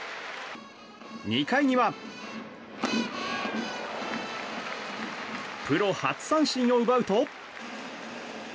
２回にはプロ初三振を奪うと。